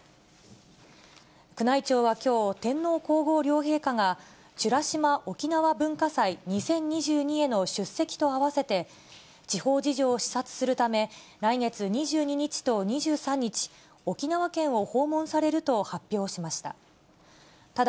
宮内庁はきょう、天皇皇后両陛下が、美ら島おきなわ文化祭２０２２への出席と併せて、地方事情を視察するため、来月２２日と２３日、沖縄県を訪問されると発表しました。